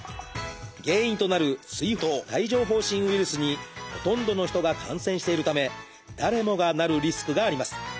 原因となる水痘・帯状疱疹ウイルスにほとんどの人が感染しているため誰もがなるリスクがあります。